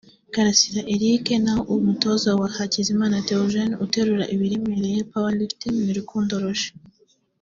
Karasira Eric naho umutoza wa Hakizimana Théogène uterura ibiremereye (power lifting) ni Rukundo Roger